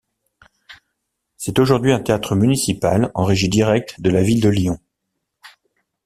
C'est aujourd'hui un théâtre municipal en régie directe de la ville de Lyon.